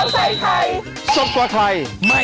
โปรดติดตามตอนต่อไป